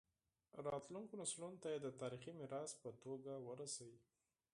راتلونکو نسلونو ته یې د تاریخي میراث په توګه ورسوي.